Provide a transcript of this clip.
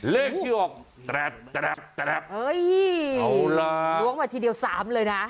ล้วงมาธีเดียว๓เลยนะ